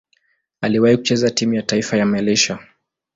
Aliwahi kucheza timu ya taifa ya Malaysia.